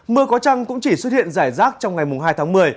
mưa có trăng cũng chỉ xuất hiện rải rác trong ngày hai tháng một mươi